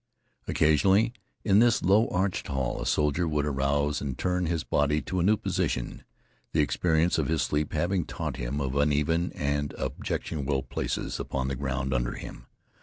Occasionally, in this low arched hall, a soldier would arouse and turn his body to a new position, the experience of his sleep having taught him of uneven and objectionable places upon the ground under him.